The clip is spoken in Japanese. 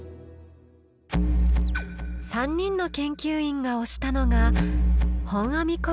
３人の研究員が推したのが本阿弥光悦作